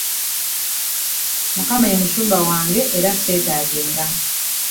Mukama ye musumba wange era nze seetaagenda.